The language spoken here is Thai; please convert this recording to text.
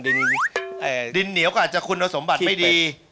ดินเหนียวก็อาจจะคุณสมบัติไม่ดี